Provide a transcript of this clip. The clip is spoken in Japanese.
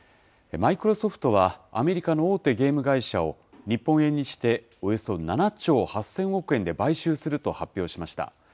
マイクロソフトは、アメリカの大手ゲーム会社を、日本円にしておよそ７兆８０００億円で買収すると発表しました。